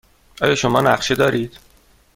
آیا شما نقشه دارید؟